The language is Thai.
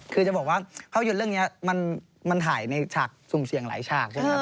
คือจะบอกว่าภาพยนตร์เรื่องนี้มันถ่ายในฉากสุ่มเสี่ยงหลายฉากใช่ไหมครับ